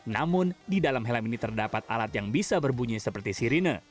namun di dalam helm ini terdapat alat yang bisa berbunyi seperti sirine